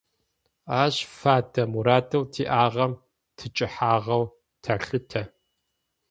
Ащ фэдэ мурадэу тиӏагъэм тыкӏэхьагъэу тэлъытэ.